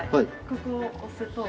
ここを押すと。